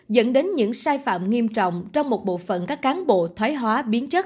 dẫn đến những sai phạm nghiêm trọng trong một bộ phận các cán bộ thoái hóa biến chất